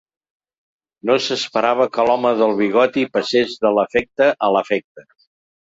No s'esperava que l'home del bigoti passés de l'efecte a l'afecte.